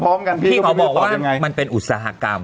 พี่เขาบอกว่ามันเป็นอุตสาหกรรม